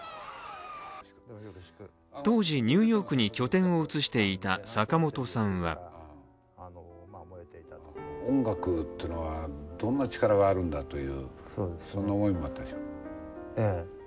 当時、ニューヨークに拠点を移していた坂本さんは音楽というのはどんな力があるんだという、そんな思いもあったでしょう？